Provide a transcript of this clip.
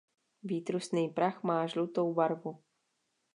Výtrusný prach má žlutou barvu.